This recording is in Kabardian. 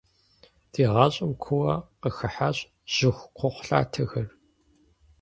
Ди гъащӏэм куууэ къыхыхьащ жьыхукхъухьлъатэхэр.